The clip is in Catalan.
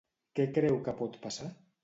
Què creu que pot passar?